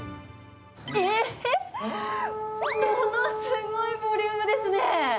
えっ、ものすごいボリュームですね。